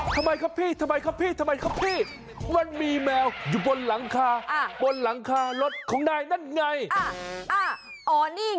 ทำไมค่ะพี่ว่ามีแมวอยู่บนหลังคารถของนายนั่นไง